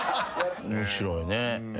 面白いね。